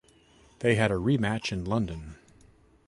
They had a rematch in London.